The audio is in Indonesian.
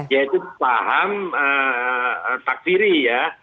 yaitu paham takfiri ya